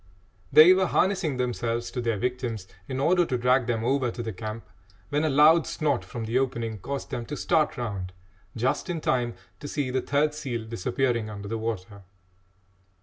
They were harnessing themselves to their victims in order to drag them over to the camp, when a loud snort from the opening caused them to start round just in time to see the third seal disappearing under the water.